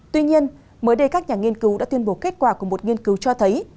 tuy nhiên mới đây các nhà nghiên cứu đã tuyên bố kết quả của một nghiên cứu cho thấy